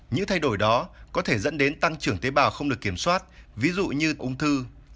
những thay đổi đó có thể dẫn đến tăng trưởng tế bào không được kiểm soát ví dụ như ung thư